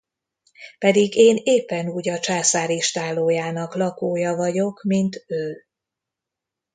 Pedig én éppen úgy a császár istállójának lakója vagyok, mint ő.